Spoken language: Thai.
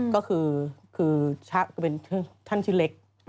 ก็คือชะเป็นท่านชื่อเล็ก